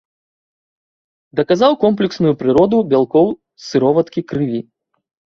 Даказаў комплексную прыроду бялкоў сыроваткі крыві.